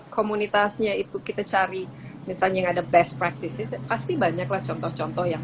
komunitasnya itu kita cari misalnya ada best practices pasti banyaklah contoh contoh yang